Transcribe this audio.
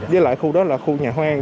với lại khu đó là khu nhà hoang